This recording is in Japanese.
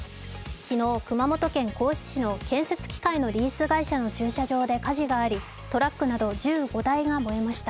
昨日、熊本県合志市の建設機械のリース会社で火事がありトラックなど１５台が燃えました。